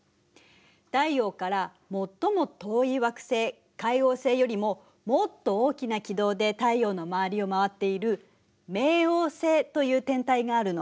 太陽から最も遠い惑星海王星よりももっと大きな軌道で太陽の周りをまわっている冥王星という天体があるの。